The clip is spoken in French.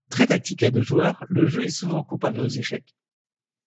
Très tactique à deux joueurs, le jeu est souvent comparé aux échecs.